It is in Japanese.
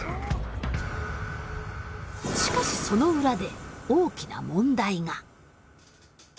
しかしその裏で大きな問題が。